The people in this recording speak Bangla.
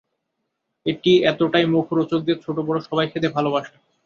এটি এতোটাই মুখোরোচক যে ছোট-বড় সবাই খেতে ভালোবাসে।